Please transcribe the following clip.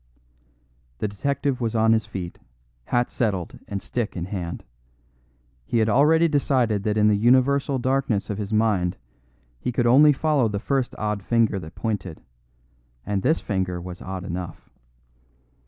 The detective was on his feet, hat settled and stick in hand. He had already decided that in the universal darkness of his mind he could only follow the first odd finger that pointed; and this finger was odd enough.